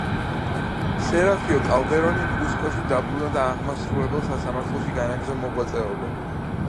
სერაფიო კალდერონი კუსკოში დაბრუნდა და აღმასრულებელ სასამართლოში განაგრძო მოღვაწეობა.